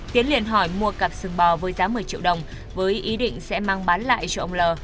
tiến liền hỏi mua cặp sưng bò với giá một mươi triệu đồng với ý định sẽ mang bán lại cho ông l